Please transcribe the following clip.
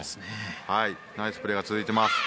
ナイスプレーが続いています。